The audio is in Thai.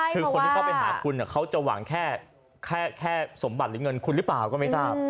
คือคนที่เข้าไปหาคุณเขาจะหวังแค่สมบัติหรือเงินคุณหรือเปล่าก็ไม่ทราบ